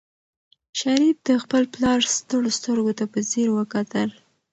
شریف د خپل پلار ستړو سترګو ته په ځیر وکتل.